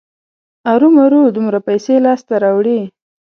ارومرو دومره پیسې لاسته راوړي.